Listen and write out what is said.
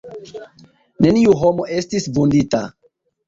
Neniu homo estis vundita.